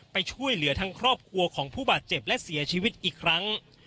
ไปช่วยเหลือทั้งครอบครัวของผู้บาดเจ็บและเสียชีวิตอีกครั้ง